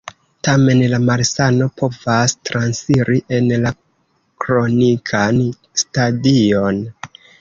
Tamen la malsano povas transiri en la kronikan stadion.